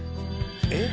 「えっ？」